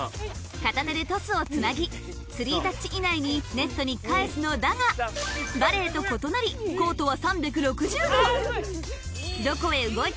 片手でトスをつなぎ３タッチ以内にネットに返すのだがバレーと異なりあぁ！